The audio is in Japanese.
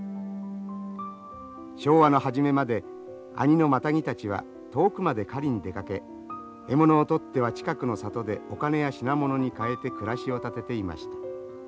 昭和の初めまで阿仁のマタギたちは遠くまで狩りに出かけ獲物を取っては近くの里でお金や品物に換えて暮らしを立てていました。